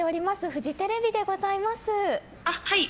フジテレビでございます。